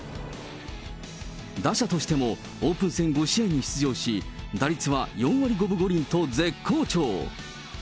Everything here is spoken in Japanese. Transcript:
打者としても、オープン戦５試合に出場し、打率は４割５分５厘と絶好調。